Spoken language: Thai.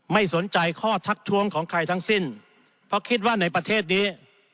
ไม่สนใจข้อทักท้วงของใครทั้งสิ้นเพราะคิดว่าในประเทศนี้